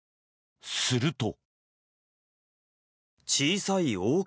すると。